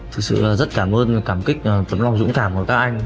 thực sự là rất cảm ơn cảm kích tấm lòng dũng cảm của các anh